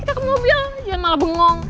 kita ke mobil jangan malah bengong